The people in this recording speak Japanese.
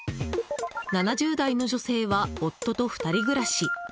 ７０代の女性は夫と２人暮らし。